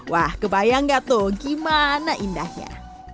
wah kebayang gak tuh gimana indahnya